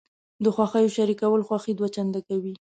د خوښیو شریکول خوښي دوه چنده کوي.